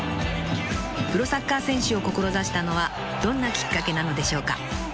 ［プロサッカー選手を志したのはどんなきっかけなのでしょうか？］